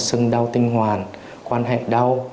sưng đau tinh hoàn quan hệ đau